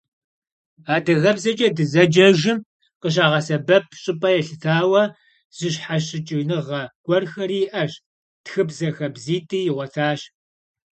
Адыгэбзэкӏэ дызэджэжым къыщагъэсэбэп щӏыпӏэ елъытауэ, зыщхьэщыкӏыныгъэ гуэрхэри иӏэщ, тхыбзэ хабзитӏи игъуэтащ.